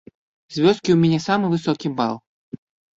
З вёскі ў мяне самы высокі бал.